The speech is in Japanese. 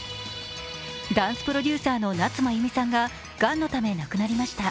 ダンスプロデューサーの夏まゆみさんががんのため亡くなりました。